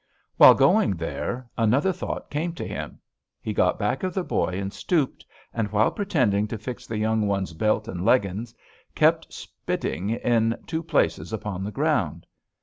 "While going there another thought came to him. He got back of the boy, and stooped, and while pretending to fix the young one's belt and leggins, kept spitting in two places upon the ground.